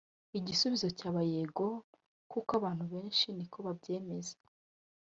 Igisubizo cyaba yego kuko abantu benshi niko babyemeza